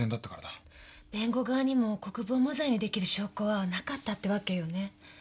弁護側にも国府を無罪にできる証拠はなかったってわけよね。